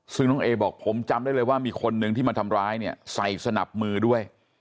ซึ่งน้องเอบอกผมจำได้เลยว่ามีคนนึงที่มาทำร้ายเนี่ยใส่สนับมือด้วย